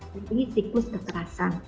jadi siklus kekerasan